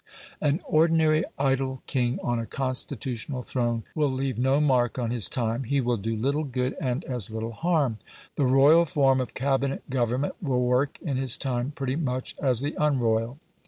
An ordinary idle king on a constitutional throne will leave no mark on his time: he will do little good and as little harm; the royal form of Cabinet government will work in his time pretty much as the unroyal.